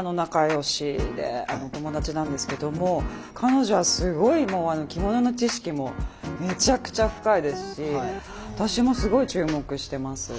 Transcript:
仲良しで友達なんですけども彼女はすごい着物の知識もめちゃくちゃ深いですし私もすごい注目してます。